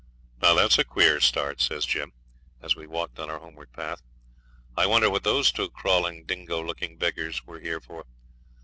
'That's a queer start!' says Jim, as we walked on our homeward path. 'I wonder what those two crawling, dingo looking beggars were here for?